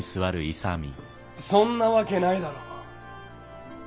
そんなわけないだろう。